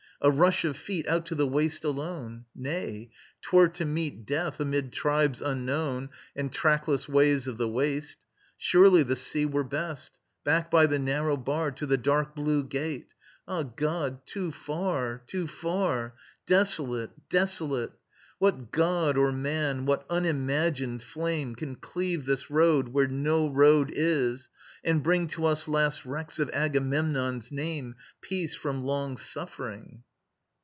... A rush of feet Out to the waste alone. Nay: 'twere to meet Death, amid tribes unknown And trackless ways of the waste ... Surely the sea were best. Back by the narrow bar To the Dark Blue Gate! ... Ah God, too far, too far! ... Desolate! Desolate! What god or man, what unimagined flame, Can cleave this road where no road is, and bring To us last wrecks of Agamemnon's name, Peace from long suffering?